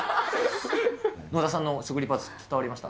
野田さんの食リポは伝わりました？